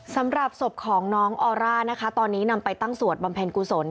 สำหรับศพของน้องออร่านะคะตอนนี้นำไปตั้งสวดบำเพ็ญกุศล